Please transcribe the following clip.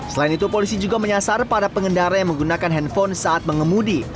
selain itu polisi juga menyasar para pengendara yang menggunakan handphone saat mengemudi